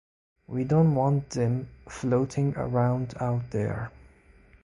We don’t want them floating around out there.